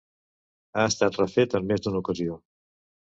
Ha estat refet en més d'una ocasió.